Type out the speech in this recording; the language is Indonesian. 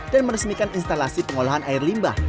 dan meresmikan instalasi pengolahan air limbah